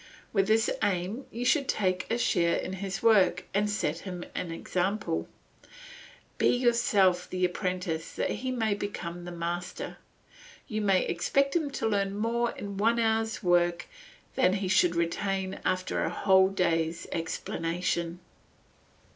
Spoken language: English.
With this aim you should take a share in his work and set him an example. Be yourself the apprentice that he may become a master; you may expect him to learn more in one hour's work than he would retain after a whole day's explanation.